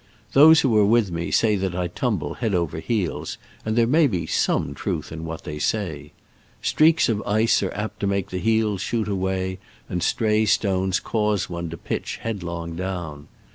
Those who are with me say that I tumble head over heels, and there may be some truth in what they say. Streaks of ice are apt to make the heels shoot away, and stray stone^ cause one to pitch headlong down.